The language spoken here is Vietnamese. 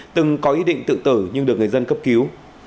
từng có ý định tự tử nhưng được người dân cấp cứu